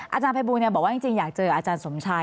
อาจารย์ไพบูนิติตะวันบอกว่าอย่างจริงอยากเจออาจารย์สมชัย